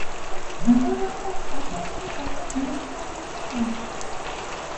The mother spoke to her children in their father's language.